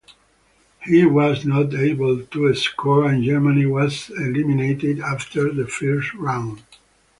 He was not able to score and Germany was eliminated after the first round.